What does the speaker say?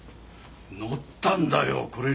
載ったんだよこれに。